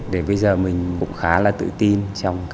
để bây giờ mình cũng khá là tự tin trong cái công việc